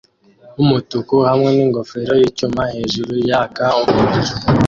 wumutuku hamwe ningofero yicyuma hejuru yaka umuriro